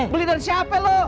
beli dari siapa lu